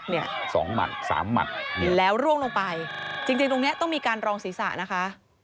เนี่ยสองหมัดสามหมัดแล้วร่วงลงไปจริงตรงเนี้ยต้องมีการรองศีรษะนะคะ